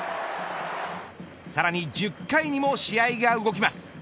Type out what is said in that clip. さらに１０回にも試合が動きます。